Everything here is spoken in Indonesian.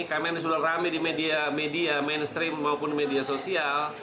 karena ini sudah rame di media media mainstream maupun media sosial